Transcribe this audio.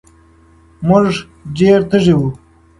مونږ ډېر تږي وو